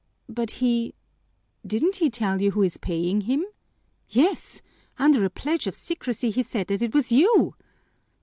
"But he didn't he tell you who is paying him?" "Yes! Under a pledge of secrecy he said that it was you."